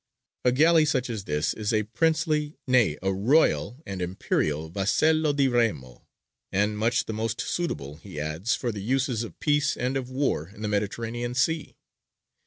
A galley such as this is "a princely, nay, a royal and imperial vassello di remo," and much the most suitable, he adds, for the uses of peace and of war in the Mediterranean Sea.